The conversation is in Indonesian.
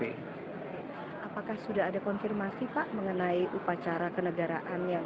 apakah sudah ada konfirmasi pak mengenai upacara kenegaraan yang nanti akan dilakukan